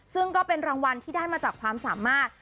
ซึ่งก็เป็นรางวัลที่ได้มาจากความสามารถ